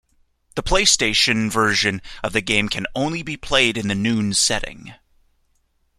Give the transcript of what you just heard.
The PlayStation version of the game can only be played in the noon setting.